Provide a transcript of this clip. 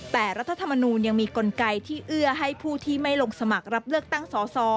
แต่รัฐธรรมนูลยังมีกลไกที่เอื้อให้ผู้ที่ไม่ลงสมัครรับเลือกตั้งสอสอ